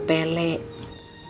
tapi buat emak penting